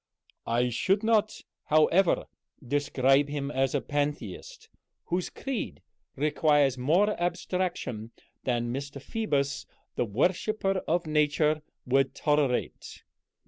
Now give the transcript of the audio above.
"I should not, however, describe him as a Pantheist, whose creed requires more abstraction than Mr. Phoebus, the worshiper of Nature, would tolerate.